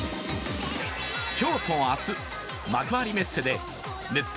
今日と明日、幕張メッセでネット